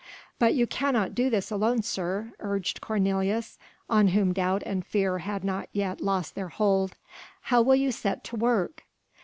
"But you cannot do this alone, sir ..." urged Cornelius, on whom doubt and fear had not yet lost their hold. "How will you set to work?"